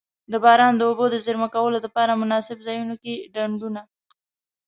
د باران د اوبو د زیرمه کولو دپاره مناسب ځایونو کی ډنډونه.